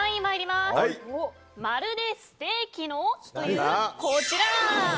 まるでステーキのというこちら。